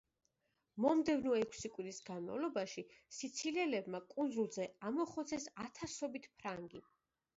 მომდევნო ექვსი კვირის განმავლობაში სიცილიელებმა კუნძულზე ამოხოცეს ათასობით ფრანგი.